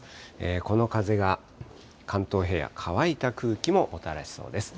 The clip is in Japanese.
この風が関東平野、乾いた空気ももたらしそうです。